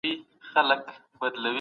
د هيواد په اقتصادي پرمختګ کي ونډه واخلئ.